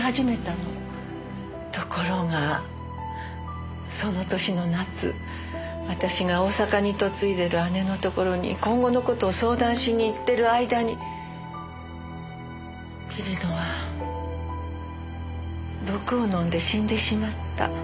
ところがその年の夏私が大阪に嫁いでる姉のところに今後の事を相談しに行ってる間に桐野は毒を飲んで死んでしまった。